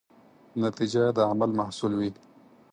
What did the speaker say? نتیجه د عمل محصول وي.